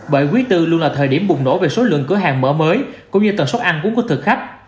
bởi quý tư luôn là thời điểm bùng nổ về số lượng cửa hàng mở mới cũng như tầng xuất ăn cũng có thực khách